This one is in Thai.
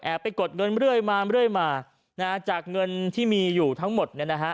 แอบไปกดเงินเรื่อยมามาเรื่อยมาจากเงินที่มีอยู่ทั้งหมด